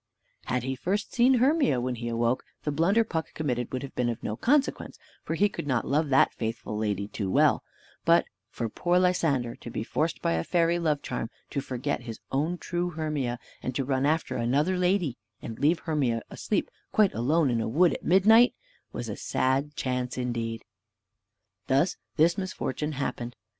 Had he first seen Hermia when he awoke, the blunder Puck committed would have been of no consequence, for he could not love that faithful lady too well; but for poor Lysander to be forced by a fairy love charm, to forget his own true Hermia, and to run after another lady, and leave Hermia asleep quite alone in a wood at midnight, was a sad chance indeed. Thus this misfortune happened.